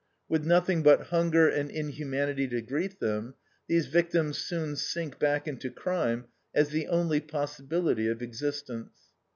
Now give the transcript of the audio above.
With nothing but hunger and inhumanity to greet them, these victims soon sink back into crime as the only possibility of existence.